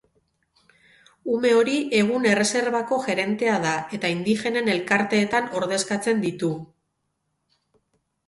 Ume hori egun erreserbako gerentea da eta indigenen elkarteetan ordezkatzen ditu.